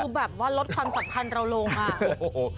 คือแบบว่าลดความสำคัญเราลงมา